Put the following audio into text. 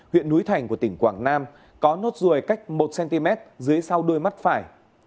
huyện núi thành của tỉnh quảng nam có nốt ruồi cách một cm dưới sau đuôi mắt phải